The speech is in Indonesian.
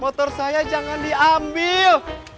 motor saya jangan diambil